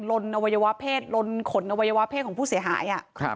ลนอวัยวะเพศลนขนอวัยวะเพศของผู้เสียหาย